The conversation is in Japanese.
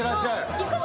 行くぞ。